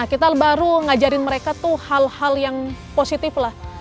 kita baru ngajarin mereka hal hal yang positif